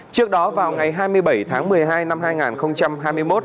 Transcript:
trước đó vào ngày hai mươi bảy tháng một mươi hai năm hai nghìn hai mươi một